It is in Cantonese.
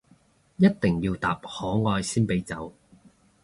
一定要答可愛先俾走